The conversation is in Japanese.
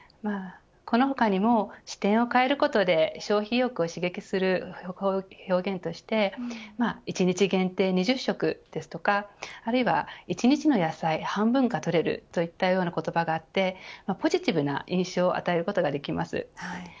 この他にも視点を変えることで消費意欲を刺激する表現として１日限定２０食ですとかあるいは１日の野菜半分が取れるといったような言葉があってポジティブな印象を与えることができます。